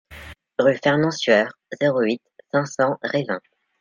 Rue Fernand Sueur, zéro huit, cinq cents Revin